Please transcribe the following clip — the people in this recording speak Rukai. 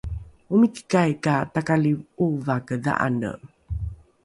omikikai ka takali ’ovake dha’ane